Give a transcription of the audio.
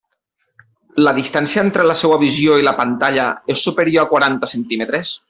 La distància entre la seua visió i la pantalla és superior a quaranta centímetres?